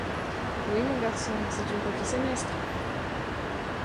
Oui, mon garçon, c’est une coquille sénestre !